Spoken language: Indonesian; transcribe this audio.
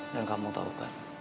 dan kamu tau kan